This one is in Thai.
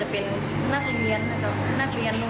นักเรียนโมงเรียนเชียงครั้งเนี่ยนะครับ